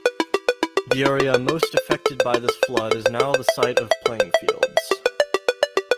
The area most affected by this flood is now the site of playing fields.